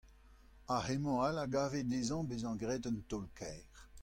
Ha hemañ all a gave dezhañ bezañ graet un taol kaer.